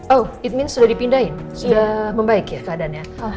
oh eat means sudah dipindahin sudah membaik ya keadaannya